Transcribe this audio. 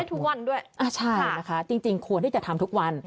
ทุกวันด้วยใช่นะคะจริงควรที่จะทำทุกวัน